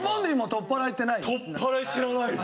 とっぱらい知らないです。